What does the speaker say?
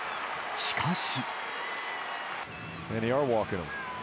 しかし。